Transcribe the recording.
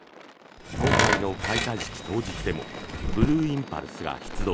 今回の開会式当日でもブルーインパルスが出動。